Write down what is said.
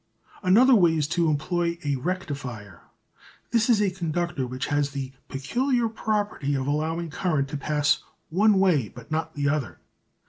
Another way is to employ a "Rectifier." This is a conductor which has the peculiar property of allowing current to pass one way but not the other.